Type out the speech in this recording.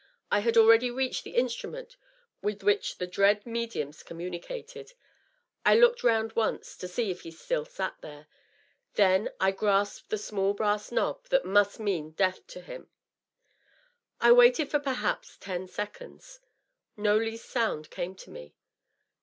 I had already reached the instrument with which the dread mediums communicated. .. I looked round once, to see if he still sat there. Then I grasped the small brass knob that must mean death to him. I waited for perhaps ten seconds. No least sound came to me.